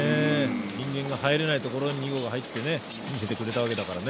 人間が入れないところに２号が入ってね見せてくれたわけだからね。